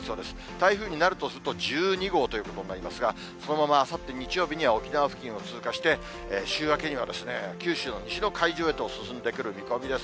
台風になるとすると、１２号ということになりますが、そのままあさって日曜日には、沖縄付近を通過して、週明けには九州の西の海上へと進んでくる見込みです。